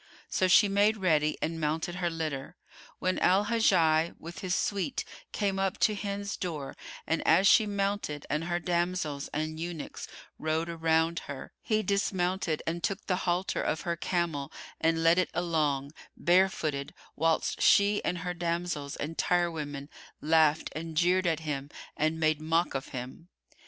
So she made ready and mounted her litter, when Al Hajjaj with his suite came up to Hind's door and as she mounted and her damsels and eunuchs rode around her, he dismounted and took the halter of her camel and led it along, barefooted, whilst she and her damsels and tirewomen laughed and jeered at him and made mock of him.